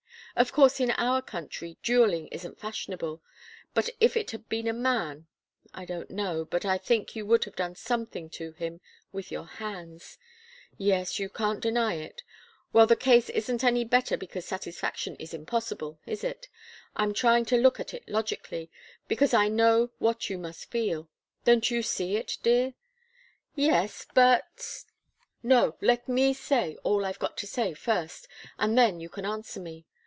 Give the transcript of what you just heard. Of course, in our country, duelling isn't fashionable but if it had been a man I don't know, but I think you would have done something to him with your hands. Yes, you can't deny it. Well, the case isn't any better because satisfaction is impossible, is it? I'm trying to look at it logically, because I know what you must feel. Don't you see, dear?" "Yes. But " "No! Let me say all I've got to say first, and then you can answer me.